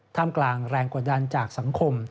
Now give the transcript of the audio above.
ท่ามกลางแรงกดดันจากสังคม